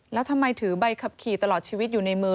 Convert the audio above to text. แล้วทำไมถือใบขับขี่ตลอดชีวิตอยู่ในมือ